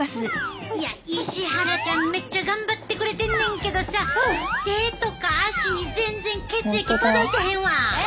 いや石原ちゃんめっちゃ頑張ってくれてんねんけどさ手とか足に全然血液届いてへんわ。